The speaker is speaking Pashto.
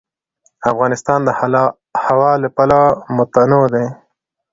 افغانستان د هوا له پلوه متنوع دی.